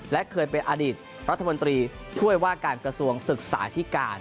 และเคยเป็นอดีตรัฐมนตรีช่วยว่าการกระทรวงศึกษาที่การ